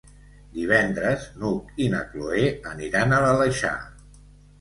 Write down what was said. Divendres n'Hug i na Cloè aniran a l'Aleixar.